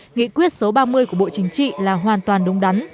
nghị quyết số ba mươi của bộ chính trị là hoàn toàn đúng đắn